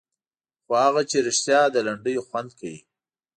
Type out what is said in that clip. خو هغه چې رښتیا د لنډیو خوند کوي.